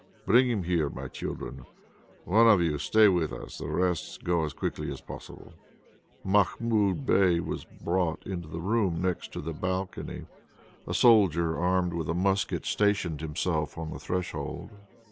Bring him here, my children. One of you stay with us; the rest go as quickly as possible." Mahmoud Bey was brought into the room next to the balcony. A soldier armed with a musket stationed himself on the threshold.